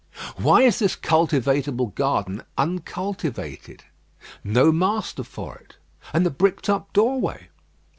Why is this cultivatable garden uncultivated? No master for it; and the bricked up doorway?